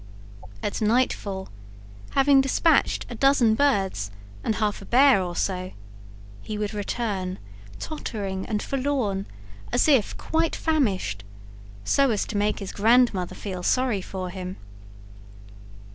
At nightfall, having dispatched a dozen birds and half a bear or so, he would return, tottering and forlorn, as if quite famished, so as to make his grandmother feel sorry for him.